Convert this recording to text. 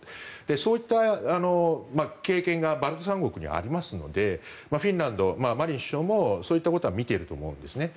そういった経験がバルト三国にはありますのでフィンランド、マリン首相もそういうことは見てると思うんですね。